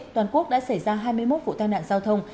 toàn quốc đã xảy ra hai mươi một vụ tai nạn giao thông